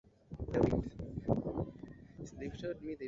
Nenda hospitalini.